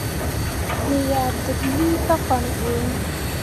Me yah deɓlii kah faa ɓu iŋ.